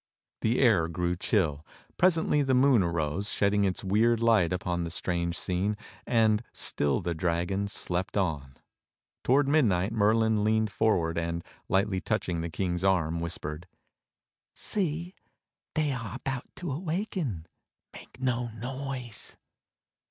The air grew chill. Presently the moon arose, shedding its weird light upon the strange scene; and still the dragons slept on. Toward midnight Merlin leaned forward, and, lightly touching the King's arm. whispered : "See! They are about to awaken. Make no noise